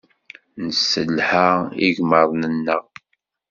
Nesselha igmaḍ-nneɣ.